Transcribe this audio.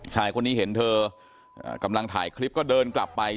ชายคนนี้เห็นเธอกำลังถ่ายคลิปก็เดินกลับไป